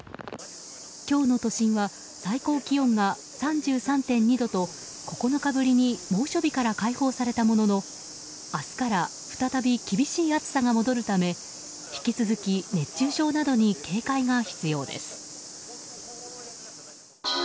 今日の都心は最高気温が３３．２度と９日ぶりに猛暑日から解放されたものの明日から再び厳しい暑さが戻るため引き続き、熱中症などに警戒が必要です。